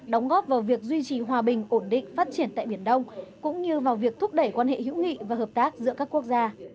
đóng góp vào việc duy trì hòa bình ổn định phát triển tại biển đông cũng như vào việc thúc đẩy quan hệ hữu nghị và hợp tác giữa các quốc gia